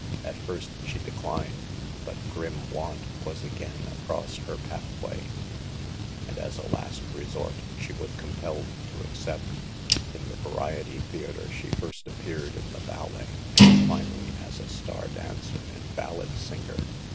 At first she declined; but grim want was again across her pathway, and as a last resort she was compelled to accept. In the variety theater she first appeared in the ballet, and finally as a "star" dancer and ballad singer.